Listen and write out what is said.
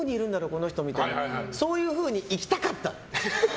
この人みたいなそういうふうにいきたかった！